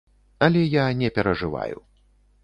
Але я не перажываю.